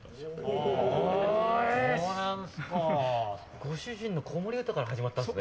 ご主人の子守歌から始まったんですね。